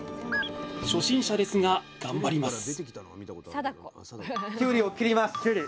初心者ですが頑張ります！